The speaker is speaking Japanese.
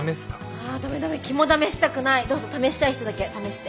あダメダメ肝試したくないどうぞ試したい人だけ試して。